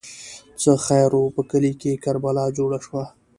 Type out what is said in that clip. ـ څه خیر وو، په کلي کې کربلا جوړه شوه.